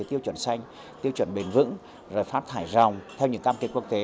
tiêu chuẩn xanh tiêu chuẩn bền vững rồi phát thải rồng theo những cam kết quốc tế